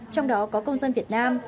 trong đó có công dân việt nam